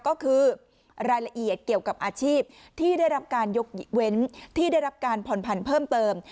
ก็คือรายละเอียดเกี่ยวกับอาชีพที่ได้รับการยกเว้นที่ได้รับการผ่อนผันเพิ่มเติม